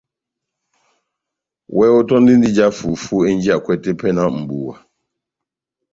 Iwɛ ótɔndindi ija fufú enjiyakwɛ tepɛhɛ náh mʼbuwa